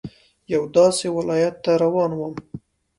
یوه داسې ولايت ته روان وم.